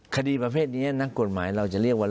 คดีประเภทนี้นักกฎหมายเราจะเรียกว่า